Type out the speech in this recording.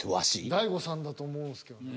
大悟さんだと思うんですけどね。